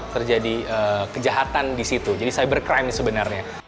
terjadi kejahatan di situ jadi cyber crime sebenarnya